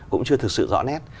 cũng chưa thực sự rõ nét